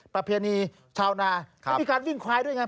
ประเพณีชาวนาเขามีการวิ่งควายด้วยไง